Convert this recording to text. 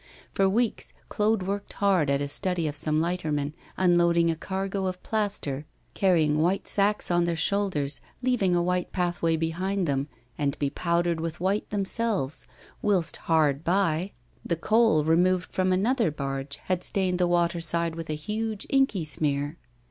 For weeks Claude worked hard at a study of some lightermen unloading a cargo of plaster, carrying white sacks on their shoulders, leaving a white pathway behind them, and bepowdered with white themselves, whilst hard by the coal removed from another barge had stained the waterside with a huge inky smear.